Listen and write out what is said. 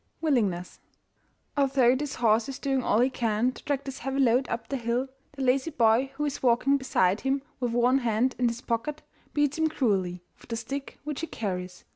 WILLINGNESS. Although this horse is doing all he can to drag his heavy load up the hill, the lazy boy who is walking beside him, with one hand in his pocket, beats him cruelly with the stick which he carries.